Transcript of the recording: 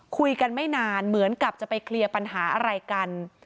คุยกันไม่นานเหมือนกับจะไปเคลียร์ปัญหาอะไรกัน